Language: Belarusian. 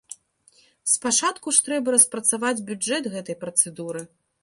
Спачатку ж трэба распрацаваць бюджэт гэтай працэдуры.